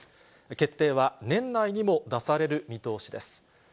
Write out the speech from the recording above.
決定は年内にも出される見通しです。